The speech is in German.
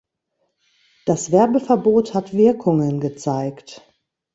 Das Werbeverbot hat Wirkungen gezeigt.